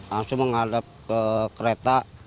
langsung menghadap ke kereta